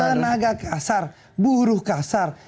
tenaga kasar buruh kasar